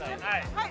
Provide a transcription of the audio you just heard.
はい！